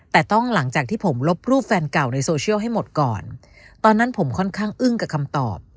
แต่ต้องหลังจากที่ผมลบรูปแฟนเก่าในโซเชียลให้หมดก่อนตอนนั้นผมค่อนข้างอึ้งกับคำตอบ